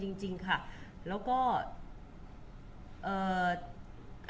คุณผู้ถามเป็นความขอบคุณค่ะ